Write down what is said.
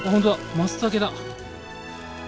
マツタケだ。